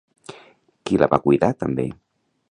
Qui la va cuidar també?